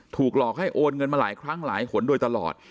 ถูกหลอกให้โอนเงินมาหลายคลั้งว่านี้หลายขนโดยตลอด